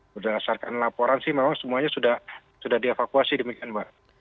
berdasarkan laporan sih memang semuanya sudah dievakuasi demikian mbak